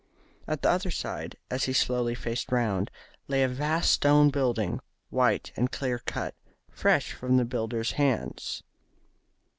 At the other side, as he slowly faced round, lay a vast stone building, white and clear cut, fresh from the builders' hands.